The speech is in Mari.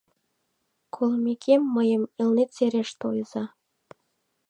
Колымекем, мыйым Элнет сереш тойыза.